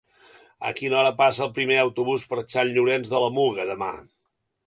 A quina hora passa el primer autobús per Sant Llorenç de la Muga demà?